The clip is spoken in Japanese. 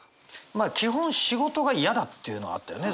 まあ基本仕事が嫌だっていうのはあったよね